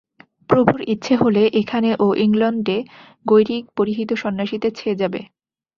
প্রভুর ইচ্ছে হলে এখানে ও ইংলণ্ডে গৈরিক-পরিহিত সন্ন্যাসীতে ছেয়ে যাবে।